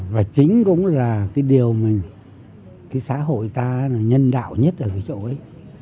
và chính cũng là cái điều mà cái xã hội ta là nhân đạo nhất ở cái chỗ ấy